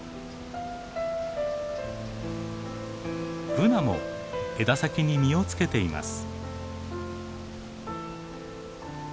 ブナも枝先に実を付けています。